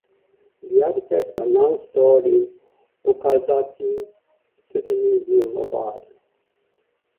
The artifacts are now stored in the Okazaki City Museum of Art.